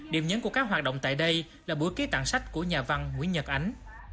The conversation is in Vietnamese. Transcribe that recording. điểm nhấn của các hoạt động tại đây là buổi ký tặng sách của nhà văn nguyễn nhật ánh